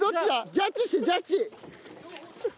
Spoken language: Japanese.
ジャッジしてジャッジ。